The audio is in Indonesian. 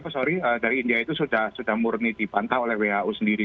sorry dari india itu sudah murni dipantau oleh who sendiri